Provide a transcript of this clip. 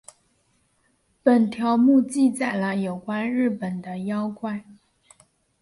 本条目记载了有关日本的妖怪。